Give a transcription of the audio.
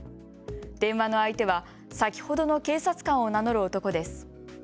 電話の相手は先ほどの警察官を名乗る男です。